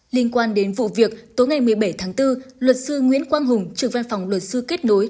liên quan đến vụ việc tối ngày một mươi bảy tháng bốn luật sư nguyễn quang hùng trưởng văn phòng luật sư kết nối